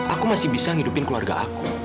aku masih bisa ngidupin keluarga aku